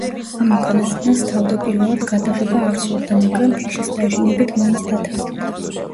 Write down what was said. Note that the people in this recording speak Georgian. ამ უკანასკნელს თავდაპირველად გადაღება არ სურდა, მაგრამ, ფიშის დაჟინებით მაინც დათანხმდა.